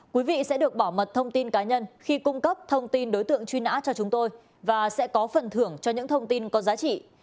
quý vị sẽ được bảo mật thông tin cá nhân khi cung cấp thông tin đối tượng truy nã cho chúng tôi và sẽ có phần thưởng cho những thông tin có giá trị